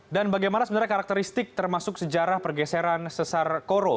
dan bagaimana sebenarnya karakteristik termasuk sejarah pergeseran sesar koro